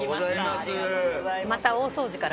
ありがとうございます。